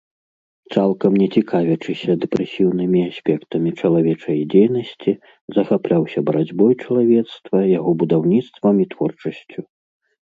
Цалкам не цікавячыся дэпрэсіўнымі аспектамі чалавечай дзейнасці, захапляўся барацьбой чалавецтва, яго будаўніцтвам і творчасцю.